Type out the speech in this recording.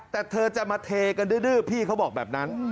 แต่เธอจะมาเทกันดื้อพี่เขาบอกแบบนั้น